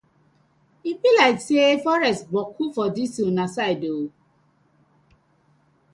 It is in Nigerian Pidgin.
E bi layk say forest boku for dis una side oo?